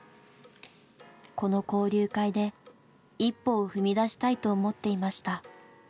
この交流会で一歩を踏み出したいと思っていました。